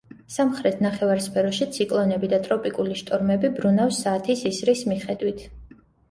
სამხრეთ ნახევარსფეროში ციკლონები და ტროპიკული შტორმები ბრუნავს საათის ისრის მიხედვით.